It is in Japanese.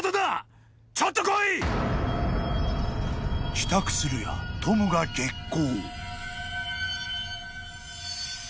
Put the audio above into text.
［帰宅するやトムが激高］